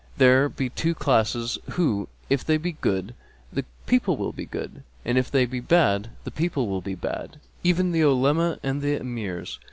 'There be two classes who, if they be good, the people will be good; and if they be bad, the people will be bad, even the Olema and the Emirs.'